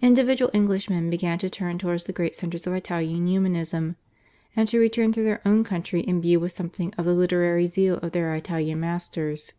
Individual Englishmen began to turn towards the great centres of Italian Humanism, and to return to their own country imbued with something of the literary zeal of their Italian masters.